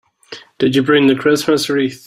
Did you bring the Christmas wreath?